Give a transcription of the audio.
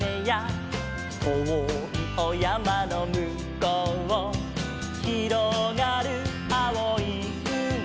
「とおいおやまのむこう」「ひろがるあおいうみ」